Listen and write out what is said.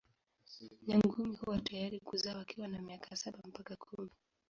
Nyangumi huwa tayari kuzaa wakiwa na miaka saba mpaka kumi.